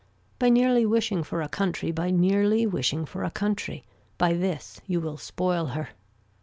By nearly wishing for a country by nearly wishing for a country, by this you will spoil her.